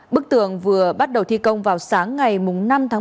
bức tường vừa bắt đầu thi công vào sáng ngày năm tháng một mươi